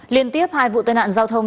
liên tiếp hai vụ tai nạn giao thông